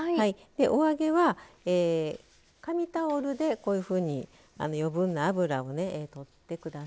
お揚げは紙タオルでこういうふうに余分な油をね取って下さい。